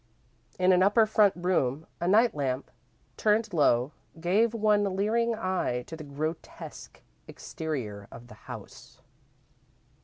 In an upper front room a night lamp, turned low, gave one leering eye to the grotesque exterior of the house.